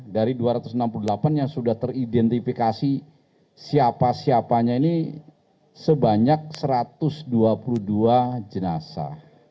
dari dua ratus enam puluh delapan yang sudah teridentifikasi siapa siapanya ini sebanyak satu ratus dua puluh dua jenasa